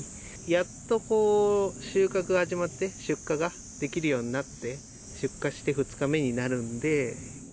やっと収穫が始まって、出荷ができるようになって、出荷して２日目になるんで。